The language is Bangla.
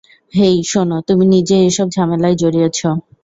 হেই, শোনো, তুমি নিজেই এসব ঝামেলায় জড়িয়েছ।